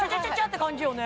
ッて感じよね